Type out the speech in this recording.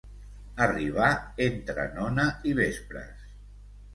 Arribà entre nona i vespres.